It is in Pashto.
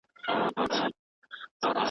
لېونی هغسې په کړس خندا کوينه